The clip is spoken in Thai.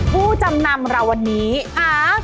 ผู้จำนำเราวันนี้ค่ะ